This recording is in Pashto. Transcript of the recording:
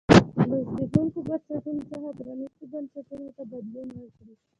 له زبېښونکو بنسټونو څخه پرانیستو بنسټونو ته بدلون وکړي.